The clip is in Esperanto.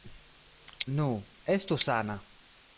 Nu, estu sana.